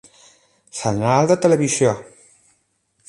Senyal de televisió.